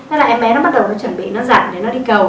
em bé nó bắt đầu chuẩn bị nó dặn để nó đi cầu